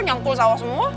nyangkul sawah semua